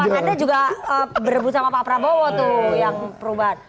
nah ada juga berdebut sama pak prabowo tuh yang perubahan